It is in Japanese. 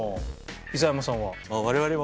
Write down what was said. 伊佐山さんは？